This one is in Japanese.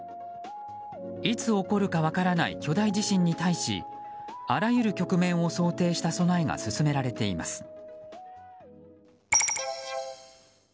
いつ起こるか分からない巨大地震に対しあらゆる局面を想定した備えが進められています。